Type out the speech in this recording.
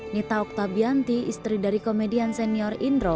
nita okta bianti istri dari komedian senior indro